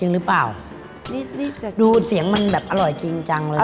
รึเปล่าดูเสียงมันมันแบบอร่อยจริงจังเลย